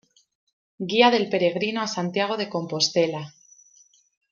Guía del Peregrino a Santiago de Compostela.